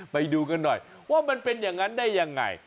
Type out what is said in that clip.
ไปดูกันหน่อยว่ามันเป็นอย่างนั้นได้ยังไง